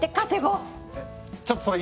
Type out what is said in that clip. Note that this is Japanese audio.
ちょっとそれ